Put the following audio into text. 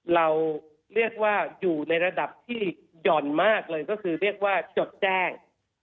เราเรียกว่าอยู่ในระดับที่หย่อนมากเลยก็คือเรียกว่าจดแจ้ง